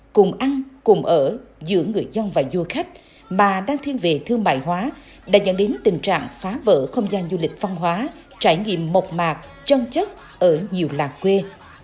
cùng ăn cùng ở giữa người dân và du khách mà đang thiên về thương mại hóa đã dẫn đến tình trạng phá vỡ không gian du lịch văn hóa trải nghiệm mộc mạc chân chất ở nhiều làng quê